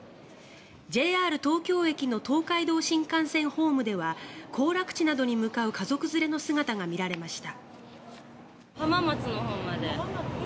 ＪＲ東京駅の東海道新幹線ホームでは行楽地などに向かう家族連れの姿が見られました。